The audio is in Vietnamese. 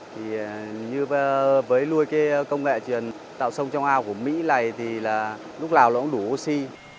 thì như với nuôi cái công nghệ truyền tạo sông trong ao của mỹ này thì là lúc nào nó cũng đủ oxy